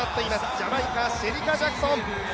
ジャマイカ、シェリカ・ジャクソン。